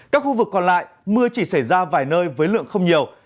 các khu vực còn lại mưa chỉ xảy ra vài nơi với lượng không nhiều